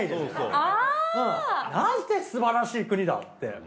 あぁ！なんてすばらしい国だって。